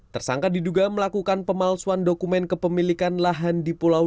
tersangka diduga melakukan pemalsuan dokumen kepemilikan lahan di pulau